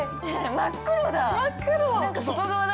真っ黒だ。